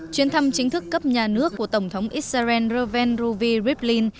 chuyến thăm chính thức cấp nhà nước của tổng thống israel reuven ruvie rivlin